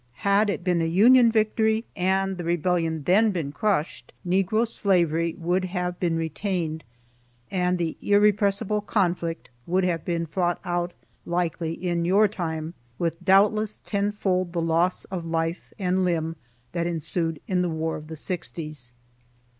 Had it been a Union victory, and the Rebellion then been crushed, negro slavery would have been retained, and the "irrepressible conflict" would have been fought out likely in your time, with doubtless tenfold the loss of life and limb that ensued in the war of the sixties.